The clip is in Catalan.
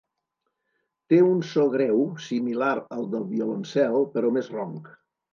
Té un so greu similar al del violoncel, però més ronc.